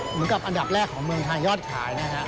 เหมือนกับอันดับแรกของเมืองไทยยอดขายนะฮะ